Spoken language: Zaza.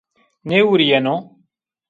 Nêvurîyeno